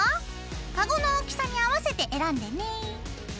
カゴの大きさに合わせて選んでね。